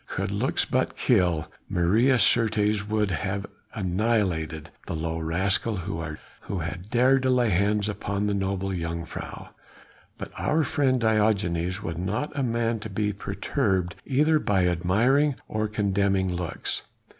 Could looks but kill, Maria certes would have annihilated the low rascal who had dared to lay hands upon the noble jongejuffrouw. But our friend Diogenes was not a man to be perturbed either by admiring or condemning looks.